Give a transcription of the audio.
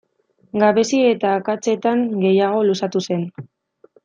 Gabezi eta akatsetan gehiago luzatu zen.